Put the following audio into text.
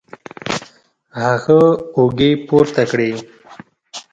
هغه اوږې پورته کړې